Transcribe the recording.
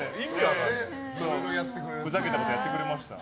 ふざけたことやってくれました。